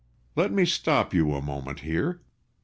Let me stop you a moment here.